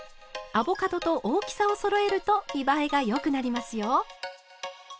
アボカドと大きさをそろえると見栄えがよくなりますよ。